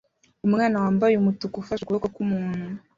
Umwana wambaye umutuku ufashe ukuboko kwumuntu